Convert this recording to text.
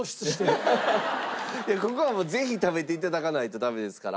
いやここはもうぜひ食べて頂かないとダメですから。